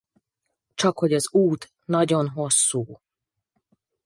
Csakhogy az út nagyon hosszú.